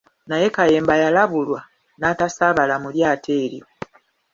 Naye Kayemba yalabulwa n'atasaabala mu lyato eryo.